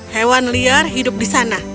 hewan liar hidup di sana